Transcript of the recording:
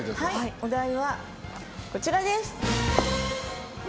お題は、こちらです。